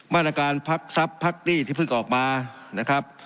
มาตรการพักทรัพย์พักหนี้ที่เพิ่งออกมานะครับ